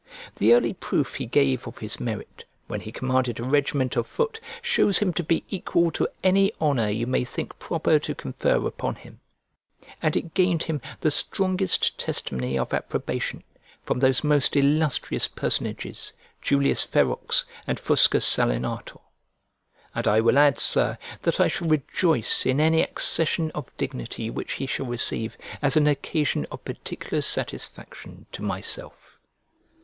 The early proof he gave of his merit, when he commanded a regiment of foot, shows him to be equal to any honour you may think proper to confer upon him; and it gained him the strongest testimony of approbation from those most illustrious personages, Julius Ferox and Fuscus Salinator. And I will add, Sir, that I shall rejoice in any accession of dignity which he shall receive as an occasion of particular satisfaction to myself.